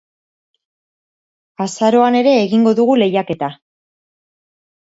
Azaroan ere egingo dugu lehiaketa.